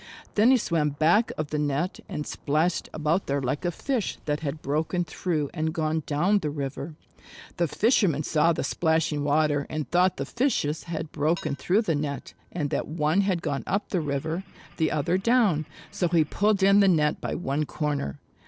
Then he swam back of the net and splashed about there like a Fish that had broken through and gone down the river. The fisherman saw the splashing water and thought the Fishes had broken through the net and that one had gone up the river, the other down, so he pulled in the net by one corner.